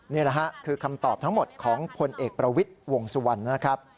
นี่คือคำตอบทั้งหมดของพลเอกประวิทย์วงสุวรรณ